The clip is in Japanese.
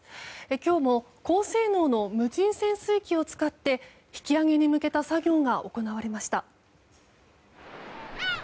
今日も高性能の無人潜水機を使って引き揚げに向けた作業が行われました。